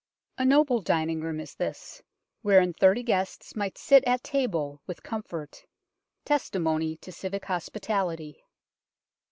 A noble dining room is this, wherein thirty guests might sit at table with comfort testimony to civic hospitality.